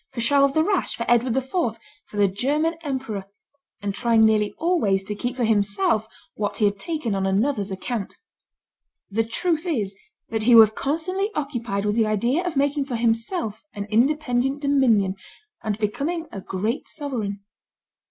for Charles the Rash, for Edward IV., for the German emperor, and trying nearly always to keep for himself what he had taken on another's account. The truth is, that he was constantly occupied with the idea of making for himself an independent dominion, and becoming a great sovereign.